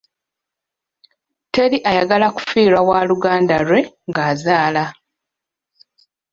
Teri ayagala kufiirwa waaluganda lwe ng'azaala.